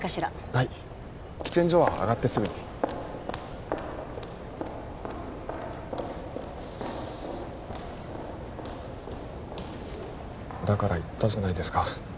はい喫煙所は上がってすぐにだから言ったじゃないですか